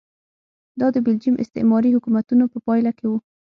دا د بلجیم استعماري حکومتونو په پایله کې و.